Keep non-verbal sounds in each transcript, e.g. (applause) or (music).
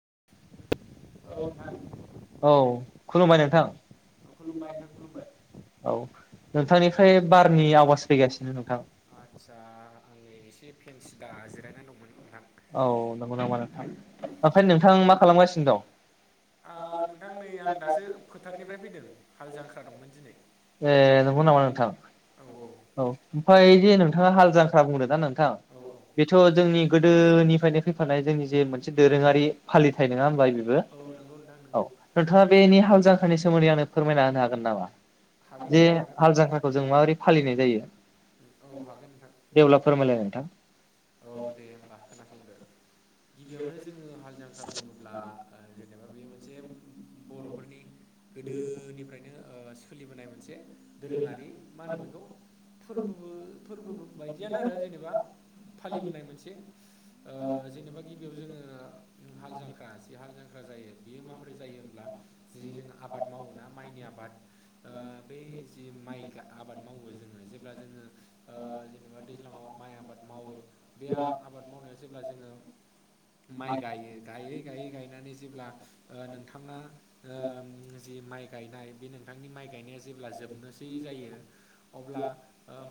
(inaudible) औ खुलुमबाय नोंथां (unintelligible) औ नोंथांनिफ्राय बारनि आवाज फैगासिनो नोंथां आदसा आंनि एसे फेनस्ता जिरायनानै दंमोन नोंथां औ नंगौ नामा नोंथां ओमफाय नोंथां मा खालामगासिनो दं? ओ नोंथां नै आं दासो फोथारनिफ्राय फैदों हाल जांख्रा दंमोन दिनै नों नामा नोंथां औ औ ओमफाय जे नोंथाङा हाल जांख्रा बुंद दा नोंथां औ औ बेथ' जोंनि गोदोनि नो फैफानाय जोंनि जे मोनसे दोरोङारि फालिथाय नङा हबा औ नोंगौ औ नोंथाङा बेनि हाल जांखारनि सोमोन्दै आंनो फोरमायना होनो हागोन नामा? हागोन जे नोंथां हागोन हाल जांख्राखौजों माबोरै फालिनाय जायो औ हागोन नोंथां देब्ला फोरमायलाय नोंथां (inaudible) औ दे होमबा खोनासंदो गिबियावनो (unintelligible) एबा बेयो मोनसे बर'फोरनि गोदोनिफ्रायनो ओ सोलिबोनाय मोनसे दोरोङारि मा होनो बेखौ फोरबोबो फोरबो बायदियानो आरो जेनेबा फालिबोनाय मोनसे ओ जेनेबा गिबियाव जोङो हाल जांख्रा जे हाल जांख्रा जायो बियो माबोरै जायो होनोमब्ला जि जों आबाद मावोना माइनि आबाद ओ औ बे जि माइ गा आबाद मावो जोङो जेब्ला जोङो ओ जेनेबा दैज्लाङाव माइ आबाद मावो बे आबाद मावनायाव जेब्ला जोङो माइ गायो गायो गाय गायनानै जेब्ला ओ नोंथाङा ओ जि माइ गायनाय बे नोंथांनि माइ गायनाया जेब्ला जोबनोसै जायो अब्ला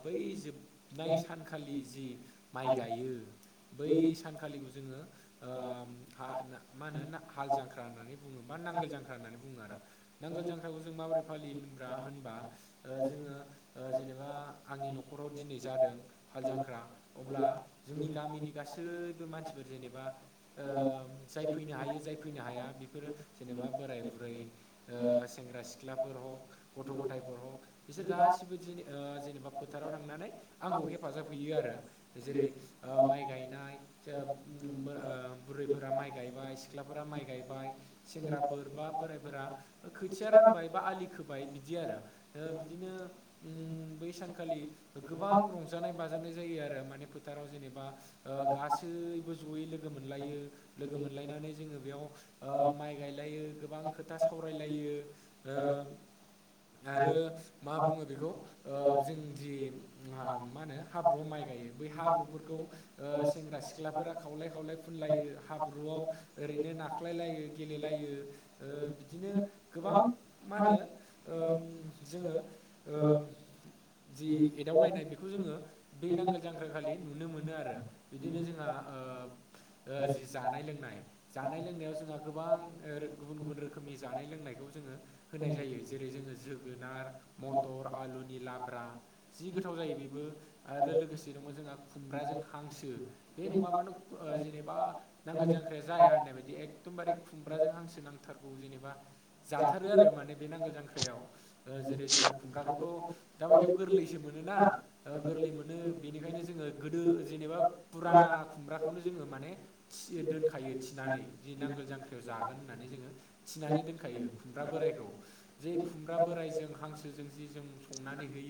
बै जोब ननाय सानखालि जि माइ गायो बै सानखालिखौ जोङो ओ हा होन मा होनो हाल जांख्रा होननानै बुङो बा नांगोल जांख्रा होननानै बुङो आरो नांगोल जांख्राखौ जों माबोरै फालियोम होनबा जोङो ओ जेनेबा आंनि न'खराव दिनै जादों हाल जांख्र ख्रा अब्ला जोंनि गामिनि गासैबो मानसिफोर जेनेबा ओ औ जाय फैनो हायो जाय फैनो हाया बेफोरो जेनेबा बोराय बुरै ओ सेंग्रा सिख्लाफोर ह गथ' गथायफोर ह बिसोर गासिबो ओ जेनेबा फोथाराव थांनानै आंखौ हेफाजाब हो हैयो आरो जेरै ओ माइ गायनाय (unintelligible) बुरैफोरा माइ गायबाय सिख्लाफोरा माइ गायबाय सेंग्राफोर बा बोरायफोरा खोथिया रानबाय बा आलि खोबाय बिदि आरो बिदिनो बै सानखालि गोबां रंजानाय बाजानाय फोथारनाय जायो आरो माने फोथाराव जेनेबा ओ गासैबो जयै लोगो मोनलायो लोगो मोनलायनानै जोङो बेयाव ओ माइ गायलायो गोबां खोथा सावरायलायो ओ (unintelligible) आरो मा बुङो बेखौ ओ जों दि आ मा होनो हाब्रु आव माइ गायो बै हाब्रुफोरखौ ओ सेंग्रा सिख्लाफोरा खावलाय खावलाय फुनलायो हाब्रुआव ओरैनो नाख्लायलायो गेलेलायो ओ बिदिनो गोबां मा होनो ओ जोङो ओ जि एदावलायनाय बेखौ जोङो दै नांगोल जांख्रााखलि नुनो मोनो आरो बिदिनो जोंहा ओ औ ओस जि जानाय लोंनाय जानाय लोंनायाव जोंहा गोबां ओ गुबुन गुबुन रोखोमनि जानाय लोंनायखौ जोङो होनाय जायो जेरै जोङो जोगोनार मथर आलुनि लाब्रा जि गोथाव जायो बे रो आरो लोगोसे दङ जोंहा खुमब्राजों हांसो बे नङाबानो ओ जेनेबा नांगोल जांख्राया जाया होननाय बायदि एखदमबारे खुमब्राजों हांसो नांथारगौ जेनेबा जाथारो आरो माने बे नांगोल जां ख्रायाव ओ जेरै जोङो खुमब्राखौथ' दाबायदियाव गोरलैसो मोनोना ओ गोरलै मोनो बेनिखायनो जोङो गोदो जेनेबा फुराना खुमब्राखौनो जोङो माने थि दोनखायो थिनानै जि नांगोल जांख्रियाव जागोन होननानै जोङो थिनानै दोनखायो खुमब्रा बोराय रायखौ जे खुमब्रा बोरायजों हांसोजों जिजों संनानै हो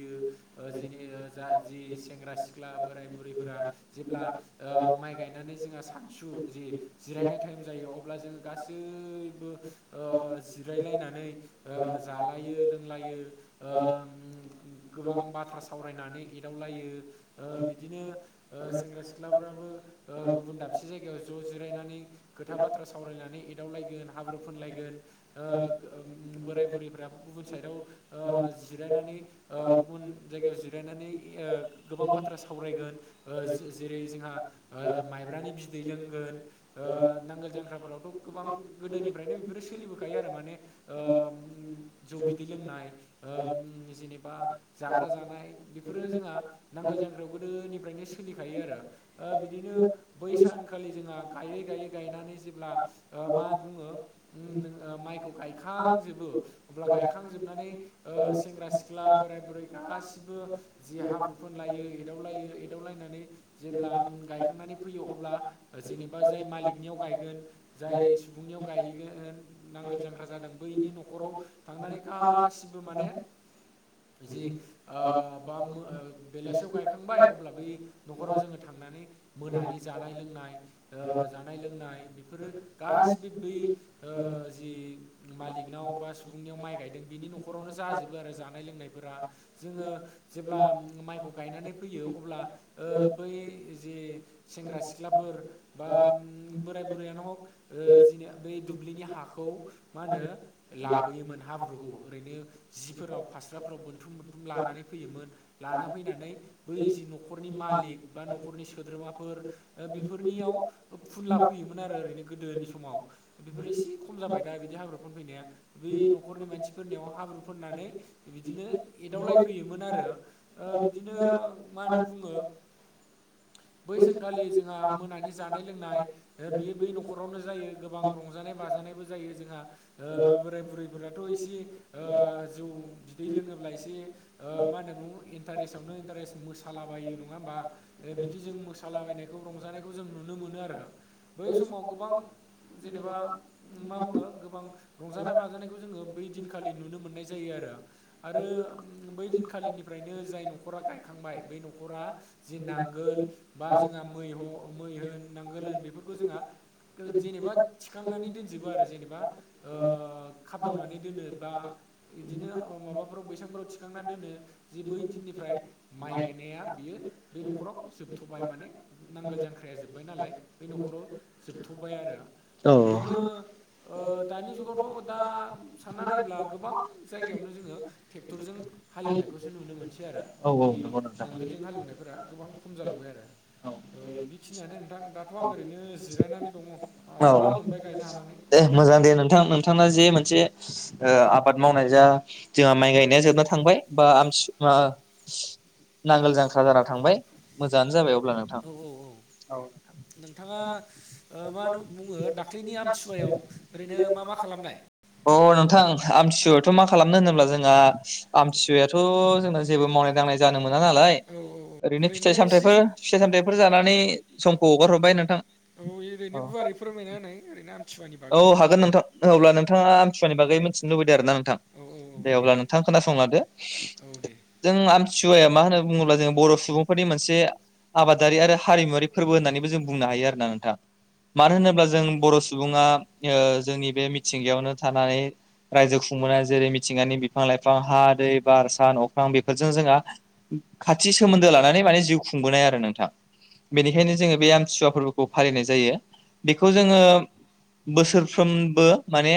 ओ जेने दा जि सेंग्रा सिख्ला बोराय बुरैफोरा जेब्ला ओ माइ गायनानै जोंहा सा सु जि जिरायनाय टाइम जायो अब्ला जोङो गासैबो ओ जिरायलायना नै ओ जालायो लोंलायो ओ उम गोबां बाथ्रा सावरायना नै एदावलायो ओ बिदिनो ओ सेंग्रा सिख्लाफोराबो ओ गुबुन दाब से जायगायाव ज' जिरायनानै खोथा बाथ्रा सावरायनानै एदावलायगोन हाब्रु फोनलायगोन ओ ओ उम बोराय बुरैफोराबो गुबुन साइदाव ओ जिरायनानै ओ गुबुन जायगायाव जिराय नानै ओ गोबां बाथ्रा सावरायगोन ओ जो जेरै जोंहा मायब्रानि बि दै लोंगोन ओ नांगोल जांख्राफोरावथ' गोबां गोदोनिफ्रायनो बेफोरो सोलिबोखायो आरो माने। ओ उम जौ बिदै लोंनाय ओ जेनेबा जाग्रा जानाय। बेफोरो जोंहा नांगोल जांख्रायाव गोदोनिफ्रायनो सोलिखायो आरो ओ बिदिनो बै सान खालि जोंहा गायै गायै गायनानै जेब्ला ओ मा बुङो माइखौ गायखा खांजोबो अब्ला गायखांजोबनानै ओ सेंग्रा सिख्ला बोराय बुरै गासिबो। जि हाब्रु फोनलायो एदावलायो एदावलायनानै जेब्ला गायखांनानै फैयो अब्ला जेनेबा जाय मालिकनियाव गायगोन जाय सुबुंनियाव गायैगोन नांगोल जांग्रा जादों। बेनि न'खराव थांनानै गासिबो माने जि ओ बा मो बेलासियाव गायखांबाय अब्ला बै न'खराव जोङो थां नानै मोनानि जानाय लोंनाय। ओ जानाय लोंनाय बेफोरो गासिबो बै ओ जि मालिक नाव बा सुबुंनियाव माइ गायदों बिनि नखरावनो जाजोबो आरो जानाय लोंनाय जोंङो जेब्ला ब्ला माइखौ गायनानै फैयो अब्ला ओ बै जि सेंग्रा सिख्लाफोर बा उम बोराय बुरायानो हक जेने ओ बेै दुब्लिनि हाखौ मा होनो? लाबोयोमोन हाब्रुखौ ओरैनो जिफोराव फास्राफोराव बोनथुम बोनथुम लानानै फैयोमोन। लाना फैनानै बै जि न'खरनि मालिक बा न'खरनि सोद्रोमाफोर ओ बेफोरनियाव अ फुनला फैयोमोन आरो ओरैनो गोदोनि समाव बेफोर एसे खम जाबाय दा बिदि हाब्रु फोनफैनाया बै न'खरनि मानसिफोरनियाव हाब्रु फोननानै बिदिनो एदावलाय फैयोमोन ओ बिदिनो नो मा होनो बुङो? बै सानखालि जोंहा मोनानि जानाय लोंनाय ओ बियो बै न'खरावनो जायो गोबां रंजानाय बाजानायबो जायो जोंहा ओ बोराय बुरैफोराथ' एसे ओ जौ बिदै लोङोब्ला एसे ओ मा होनना होनो उम इन्टारेस्टआवनो इन्टारेस्ट मोसालाबायो नङा होमबा, ओ बिदि जों मोसालाबायनायखौ रंजानायखौ जों नुनो मोनो आरो बै समाव गोबां जेनेबा मा बुङो गोबां रंजानाय बाजानायखौ जोङो बै दिनखालि नुनो मोननाय जायो आ रो आरो बै दिनखालिनिफ्रायनो जाय न'खरा गायखांबाय बै नखरा जि नांगोल बा जोंहा मै ह मै होन नांगोल होन बेफोरखौ जोंहा जेनेबा थिखांनानै दोनजोबो आरो जेनेबा ओ खाबदावनानै दोनो बा इदिनो माबाफोराव बैसांफोराव थिखांनानै दोनो जे बै दिननिफ्राय माइ गायनाया। बियो बै नखराव जोबथ'बाय माने नांगोल जां ख्राया जोब्बाय नालाय बै नखराव जोबथ'बाय आरो। बिदिनो ओ औ दानि जुगावथ' दा सानना नायोब्ला गोबां जायगायावनो जोङो ट्रेक्टरजों हालेवनाय खौसो नुनो मोनसै आरो बे नंगौ नोंथां नांगोलजों हालेवनायफोरा गोबां खम जालांबाय आरो। औ खिनियानो नोंथां दाथ' आं ओरैनो जिरायनानै दङ। औ आराम मोनबाय गायनो हानानै दे मोजां दे नोंथां नोंथांना जे मोनसे ओ आबाद मावनाय जा जोंहा माइ गायनाया जोबनो थांबाय बा आम नांगोल जांख्रा जाना थांबाय मोजाङानो जाबाय। अब्ला नोंथां औ औ औ नोंथाङा ओ औ (inaudible) म मा होनो बुङो दाख्लैनि आमथिसुवायाव ओरैनो मा मा खालामनाय (unintelligible) अ नोंथां आमथिसुवायावथ' मा खालामनो होनोब्ला जों आ आमथिसुवाथ' जोंना जेबो मावनाय दांनाय जानो मो ना नालाय औ औ ओरैनो एसे फिथाइ-सामथायफोर फिथाइ-सामथायाइफोर जानानै समखौ हगार हरबाय नोंथां औ ओरैनो औ गुवारै फोरमायना होनाय ओरैनो आमथिुवानि औ बागै हागोन नोंथां अब्ला नोंथाङा आमथिसुवानि बागै मिथिनो लुबैदों आरोना नोंथां औ औ दे अब्ला नोंथां खोनासंलादो औ दे जों आमथिुवाया मा होनना बुङोब्ला जों बर' सुबुंफोरनि मोनसे आबादारि आरो हारिमुवारि फोरबो होननानैबो जों बुंनो हायो आरोना नोंथां। मानो होनोब्ला जों बर' सुबुङा ओ जोंनि बे मिथिंगायावनो थानानै रायजो खुंङो जेरै मिथिंगानि बिफां-लाइफां हा दै बार सान अख्रां बेफोरजों जोंहा खाथि सो मोन्दो लानानै माने जिउ खुंबोनाय आरो नोंथां बेनिखायनो जोङो बे आमथिसुवा फोरबोखौ फालिनाय जायो। बेखौ जोङो बोसोर सोफ्रोमबो माने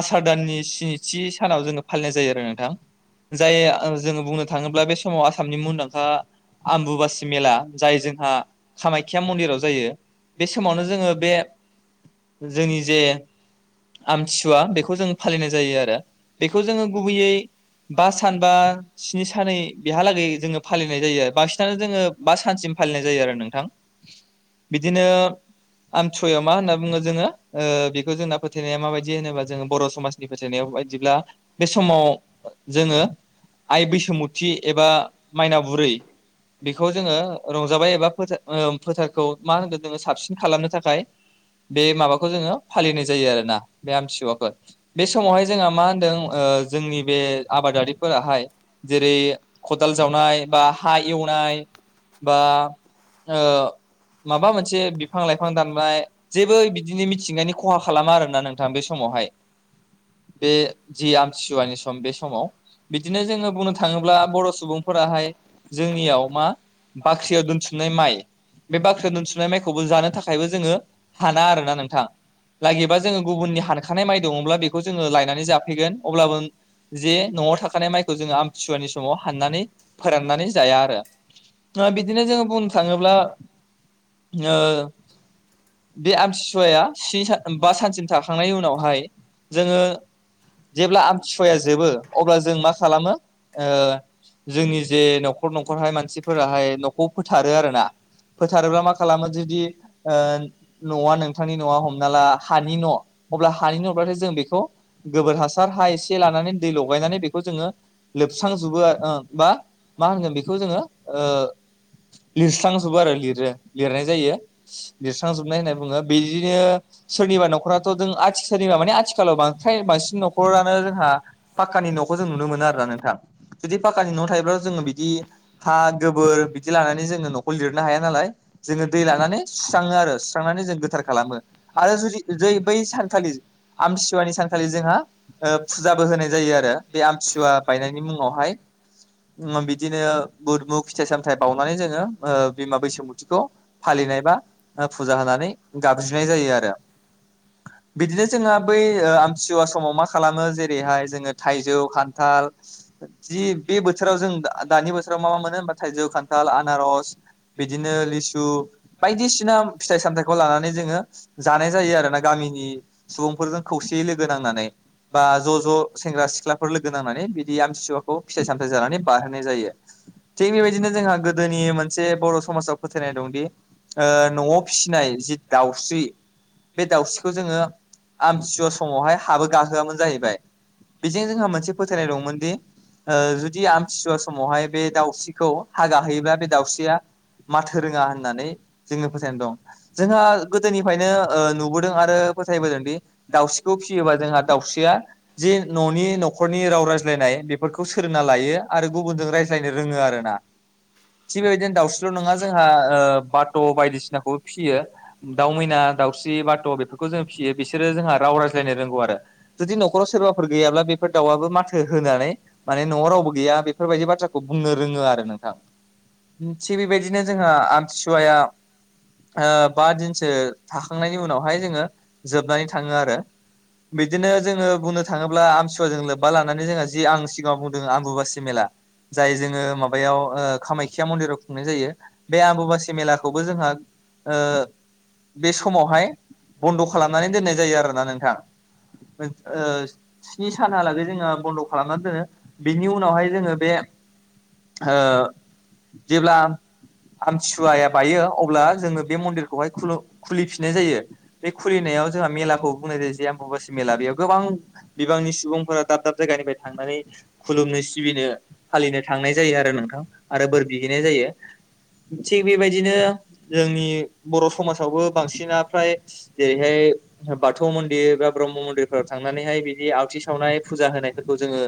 आसार दाननि स्निथि सानाव जोङो फालिनाय जायो आरो नोंथां जाय जोङो बुंनो थाङोब्ला बे समाव आसामनि मुंदांखा आम्बुुबासि मेला जाय जोंहा खामाख्या मन्दिराव जायो बे समावनो जोङो बे जोंनि जे आमथिसुवा बेखौ जों फालिनाय जायो आरो बेखौ जोङो गुबैयै बा सान बा स्नि सान बेहालागै जोङो फालिनाय जायो बांसिनानो जोङो बा सानसिम फालिनाय जायो आरो नोंथां बिदिनो आमथिसुवायाव मा होनना बुङो जोङो ओ बेखौ जोंना फोथायनाया माबायदि होनोबा जोङो बर' समाजनि फोथायनाय बायदिब्ला बे समाव जोङो आइ बैसुमुथि एबा मायनाव बुरै बेखौ जोङो रंजाबाय एबा फोथार फोथारखौ मा होनगोन जोङो साबसिन खालामनो थाखाय बे माबाखौ जोङो फालिनाय जायो आरोना बे आमथिसुवाखौ बे समावहाय जोंहा मा होन्दों ओ जोंनि बे आबादारिफोराहाय जेरै खदाल जावनाय बा हा एव नाय बा ओ माबा मोनसे बि फां लाइफां दानबाय जेबो बिदिनो मिथिंगानि खहा खालामा आरोना नोंथां बे समावहाय बे जि आमथिसुवानि सम बे समाव बिदिनो जोङो बुंनो थाङोब्ला बर' सुबुंफोराहाय जोंनियाव मा बाख्रियाव दोनथुमनाय माइ बे बाख्रियाव दोनथुमनाय माइ खौबो जानो थाखायबो जोङो हाना आरोना नोंथां लागिबा जोङो गुबुननि हानखानाय माइ दङब्ला बेखौ जोङो लायनानै जाफैगोन अब्लाबो जे न'आव थाखानाय माइखौ जोङो आमथिसुवानि समाव हाननानै फोराननानै जाया आरो बिदिनो जोङो बुंनो थाङोब्ला ओ बे आमथिसुवाया स्नि बा सानसिम जाखांनायनि उनावहाय जोङो जेब्ला आमथिसुवाया जोबो अब्ला जों मा खालामो ओ जोंनि जे न'खर न'खरहाय मानसिफोराहाय न'खौ फोथारो आरो ना फोथारोब्ला मा खालामो जुदि ओ न'आ नोंथांनि न'आ हमना ला हानि न' अब्ला हानि न' जों बेखौ गोबोर हासार हा एसे लानानै दै लगायनानै बेखौ जोङो लोबस्रांजोबो आरो ओ बा मा होनगोन बेखौ जोङो ओ लिरस्रांजोबो आरो लिरो। लिनाय जायो लिरस्रांजोबनाय होनना बुङो बिदिनो सोरनिबा न'खराथ' दों आथिसारिनि माबानि आ आथिखालाव बां फ्राय बांसिन न'खरानो जोंहा पाकानि न'खौ जों नुनो मोनो आरोना नोंथां जुदि पक्कानि न' थायोब्ला' जोङो बिदि हा गोबोर बिदि लानानै जोङो न'खौ लिरनो हाया नालाय जोङो दै लानानै सुस्राङो आरो सुस्रांनानै जों गोथार खालामो आरो जुदि जै बै सानखालि आमथिसुवानि सानखालि जोंहा ओ फुजाबो होनाय जायो आरो बे आमथिसुवा बायनायनि मुङावहाय उम बिदिनो बुद मुग फिथाइ-सामथाइ बावनानै जोङो ओ बिमा बैसोमुथिखौ फालिनाय बा ओ फुजा होनानै गाबज्रिनाय जायो आरो बिदिनो जोंहा बै ओ आमथिसुवा समाव मा खालामो जेरैहाय जोङो थाइजौ खान्थाल जि बि बोथोराव जों दा दानि बोथोराव मा मा मोनो होनबा थाइजौ खान्थाल आनारस बिदिनो लेस सु बायदिसिना फिथाइ सामथाइखौ लानानै जोङो जानाय जायो आरो ना गामिनि सुबुंफोरजों खौसेयै लोगो नांनानै बा ज' ज' सेंग्रा सिख्लाफोर लोगो नांनानै बिदि आमथिसुवा खौ फिथाइ सामथाइ जानानै बारहोनाय जायो। थिग बेबायदिनो जोंहा गोदोनि मोनसे बर' समाजाव फो थायनाय दंदि ओ न'आव फिसिनाय जि दाउस्रि बे दाउसिखौ जोङो आमथिसुवा समावहाय हाबो गाहोआमोन जाहैबाय। बेजों जोंहा मोनसे फोथायनाय दंमोन दि ओ जुदि आमथिसुवा समावहाय बे दाउस्रिखौ हा गाहोयोबा बे दाउस्रिया माथो रोङा होननानै जोङो फोथायनाय दं। जोंहा गोदोनिफायनो ओ नुबोदों आरो फो थायबोदोंदि दाउस्रिखौ फिसियोबा जोंहा दाउस्रिया जि न'नि न'खरनि राव रायज्लायनाय बेफोरखौ सोलोंना लायो आरो गुबुनजों रायज्लायनो रोङो आरो ना। थिग बेबायदिनो दावउस्रिल' नङा जोंहा ओ बात' बायदिसिनाखौबो फिसियो दाउ मैना, दाउस्रि, बात' बेफोरखौ जों फिसि यो। बिसोरो जोंहा राव रायज्लायनो रोंगौ आरो जुदि न'खराव सोरबाफोर गैयाब्ला बेफोर दावआबो माथो होनानै माने न'आव रावबो गैया बेफोरबायदि बाथ्राखौ बुंनो रोङो आरो नोंथां। थिग बेबाय दिनो जोंहा आमथिसुवाया आ बा दिनसो थाखांनायनि उनावहाय जोङो जोबनानै थाङो आरो बिदिनो जोङो बुंनो थाङोब्ला आमथिसुवाजों लोब्बा लानानै जोंहा जि आं सिगाङाव बुंदों आमबुुबासि मेला जाय जोङो माबायाव ओ कामाख्या मन्दिराव खुंनाय जायो। बे आम्बुबासि मेलाखौबो जोंहा ओ बे समावहाय बन्द' खालामनानै दोननाय जायो आरो ना नोंथां। ओद ओ स्नि सानहालागै जोङो बन्द' खालामनानै दोनो। बेनि उनावहाय जोङो बे (unintelligible) ओ जेब्ला आमथिसुवाया बायो अब्ला जोङो बे मन्दिरखौहाय खुलु खुलिफिननाय जायो। बे खुलि फिननायाव जोंहा मेलाखौ बुंनाय जायो जे आम्बुबासि मेला। बेयाव गोबां बिबांनि सुबुंफोरा दाब दाब जायगानिफ्राय थाङो। माने खुलुमनो सिबिनो फालिनो थांनाय जायो आरो नोंथां आरो बोर बिहैनाय जायो। थिग बेबायदिनो जोंनि बर' समाजावबो बांसिना फ्राय जेरैहाय (unintelligible) बाथौ मन्दिर बा ब्रह्म मन्दिरफोराव थांनानैहाय बिदि आवथि सावनाय फुजा होनायफोरखौ जोङो